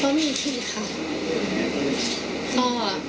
ก็มีทีค่ะ